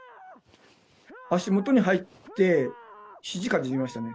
足元に入って、ひじからいきましたね。